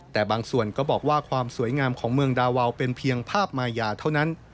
แต่บางส่วนก็บอกว่าความสวยงามของเมืองดาวาวเป็นเพียงภาพมายาเท่านั้น